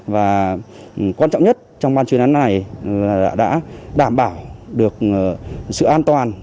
và quan trọng nhất trong ban chuyên án này là đã đảm bảo được sự an toàn